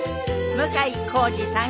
向井康二さん